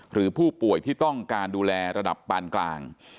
หรือผู้ป่วยที่ต้องการดูแลระดับปานกลาง